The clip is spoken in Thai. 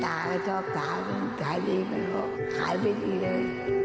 ตาเขาถูกชอบตาถูกชอบขายใบดีกันเข้าขายไม่ดีเลย